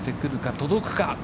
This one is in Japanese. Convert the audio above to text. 届くか。